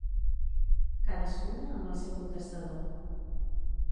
Cadascuna amb el seu contestador.